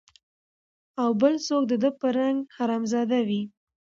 او بل څوک د ده په رنګ حرامزاده وي